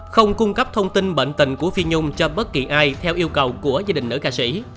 không cung cấp thông tin bệnh tình của phi nhung cho bất kỳ ai theo yêu cầu của gia đình nữ ca sĩ